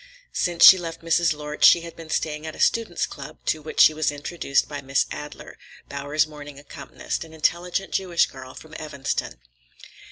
Since she left Mrs. Lorch, she had been staying at a students' club to which she was introduced by Miss Adler, Bowers's morning accompanist, an intelligent Jewish girl from Evanston.